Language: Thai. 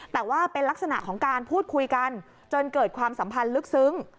แต่ว่าเป็นลักษณะของการพูดคุยกันจนเกิดความสัมพันธ์ลึกซึ้ง